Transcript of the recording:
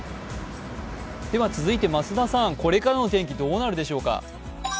続いて増田さん、これからの天気、どうなるでしょうか？